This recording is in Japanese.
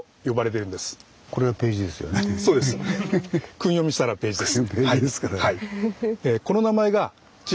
訓読みしたら「ページ」です。